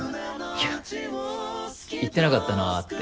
いや言ってなかったなって。